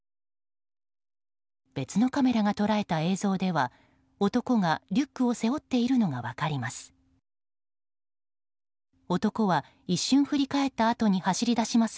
別のカメラが捉えた映像では男がリュックを背負っているのが分かります。